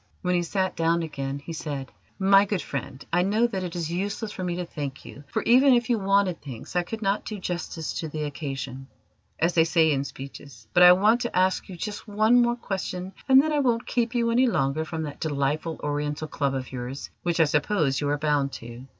When he sat down again, he said: "My good friend, I know that it is useless for me to thank you, for even if you wanted thanks I could not do justice to the occasion, as they say in speeches: but I want to ask you just one more question, and then I won't keep you any longer from that delightful Oriental Club of yours which I suppose you are bound to.